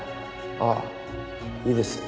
あいいです。